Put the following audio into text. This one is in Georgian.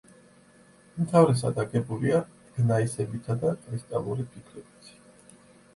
უმთავრესად აგებულია გნაისებითა და კრისტალური ფიქლებით.